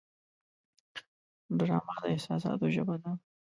ډرامه د احساساتو ژبه ده